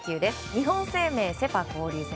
日本生命セ・パ交流戦。